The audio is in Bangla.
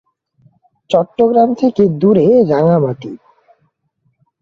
চট্টগ্রাম থেকে দূরে রাঙ্গামাটি।